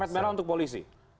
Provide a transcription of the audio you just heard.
karpet merah untuk polisi